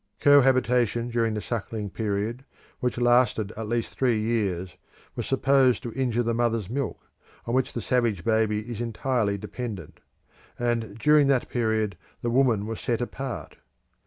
Cohabitation during the suckling period, which lasted at least three years, was supposed to injure the mother's milk, on which the savage baby is entirely dependent; and during that period the woman was set apart.